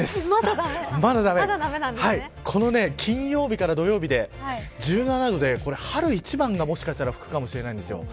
この金曜日から土曜日で１７度で春一番がもしかしたら吹くかもしれないんです。